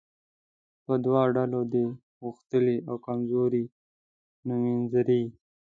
په دوه ډوله دي غښتلي او کمزوري نومځري.